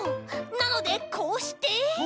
なのでこうして。